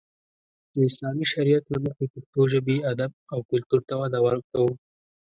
د اسلامي شريعت له مخې پښتو ژبې، ادب او کلتور ته وده ورکو.